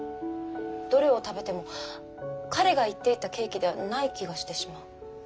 どれを食べても彼が言っていたケーキではない気がしてしまう。